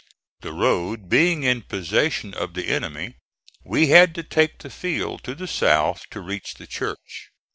The road being in possession of the enemy, we had to take the field to the south to reach the church.